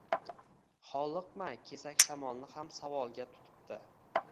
Hovliqma kesak shamolni ham savolga tutibdi